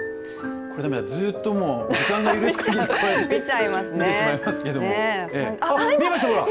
これ、ずっと時間が許す限り見てしまいますけど。